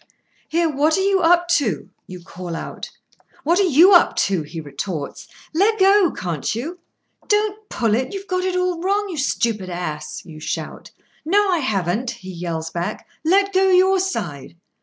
"Here! what are you up to?" you call out. "What are you up to?" he retorts; "leggo, can't you?" "Don't pull it; you've got it all wrong, you stupid ass!" you shout. "No, I haven't," he yells back; "let go your side!"